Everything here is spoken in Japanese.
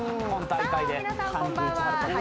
さあ皆さんこんばんは。